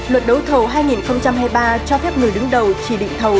luật đấu thầu hai nghìn hai mươi ba cho phép người đứng đầu chỉ định thầu